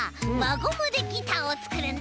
ゴムでギターをつくるんだ！